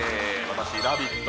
私「ラヴィット！」